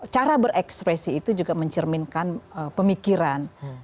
cara berekspresi itu juga mencerminkan pemikiran